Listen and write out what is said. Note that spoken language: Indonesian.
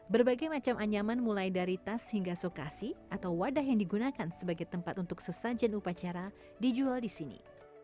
berbagai macam anyaman mulai dari tas hingga sokasi atau wadah yang digunakan sebagai tempat untuk sesajen upacara dijual di sini